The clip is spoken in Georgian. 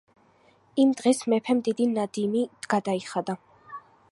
იმ დღეს მეფემ დიდი ნადიმი გადაიხადა .